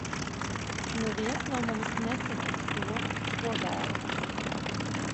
Neviens no mums nesaņems to, ko vēlas!